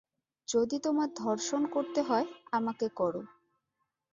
যদি তোমার ধর্ষণ করতে হয়, আমাকে করো।